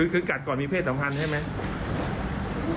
คือกัดก่อนมีเพศสัมพันธ์ใช่ไหม